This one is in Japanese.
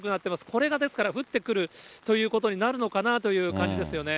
これが、ですから、降ってくるということになるのかなという感じですよね。